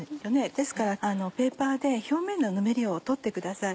ですからペーパーで表面のぬめりを取ってください。